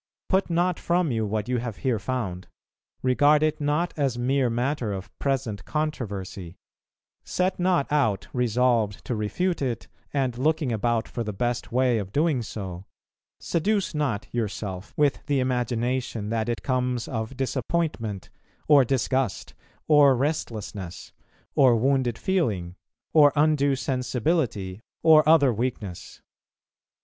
Put not from you what you have here found; regard it not as mere matter of present controversy; set not out resolved to refute it, and looking about for the best way of doing so; seduce not yourself with the imagination that it comes of disappointment, or disgust, or restlessness, or wounded feeling, or undue sensibility, or other weakness.